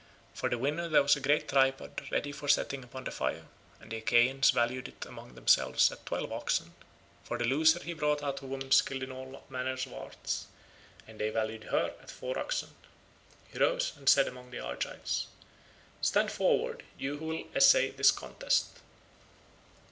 For the winner there was a great tripod ready for setting upon the fire, and the Achaeans valued it among themselves at twelve oxen. For the loser he brought out a woman skilled in all manner of arts, and they valued her at four oxen. He rose and said among the Argives, "Stand forward, you who will essay this contest."